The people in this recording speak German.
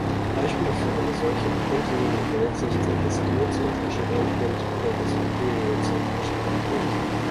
Beispiele für eine solche „grundlegende Weltsicht“ sind das geozentrische Weltbild oder das heliozentrische Weltbild.